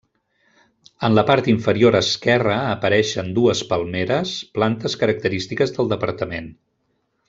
En la part inferior esquerra apareixen dues palmeres, plantes característiques del departament.